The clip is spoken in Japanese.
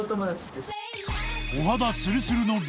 お肌つるつるの美女